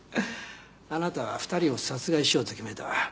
あなたは２人を殺害しようと決めた。